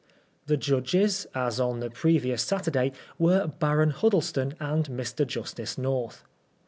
The judges, as on tiie previous Saturday, were Baron Huddleston and Mr. Justice North.